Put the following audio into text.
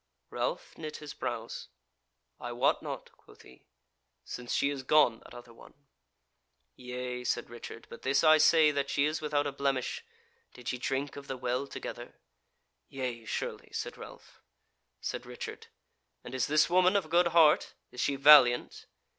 Ralph knit his brows: "I wot not," quoth he, "since she is gone, that other one." "Yea," said Richard, "but this I say, that she is without a blemish. Did ye drink of the Well together?" "Yea, surely," said Ralph. Said Richard: "And is this woman of a good heart? Is she valiant?"